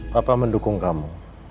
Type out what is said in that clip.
papa mendukung kamu